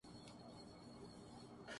جیسے مشکل چیلنجوں سے نمٹنے کے ذریعہ معیشت